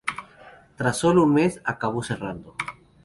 Tras solo un mes, acabó cerrando.